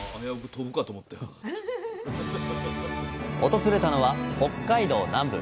訪れたのは北海道南部。